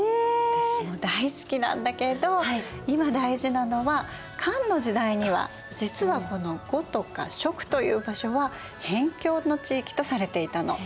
私も大好きなんだけど今大事なのは漢の時代には実はこの呉とか蜀という場所は辺境の地域とされていたの。